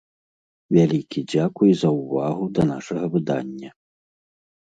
Вялікі дзякуй за ўвагу да нашага выдання.